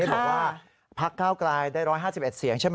บอกว่าภักดิ์ข้าวไกลได้๑๕๑เสียงใช่ไหม